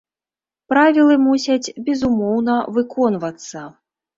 Правілы мусяць безумоўна выконвацца.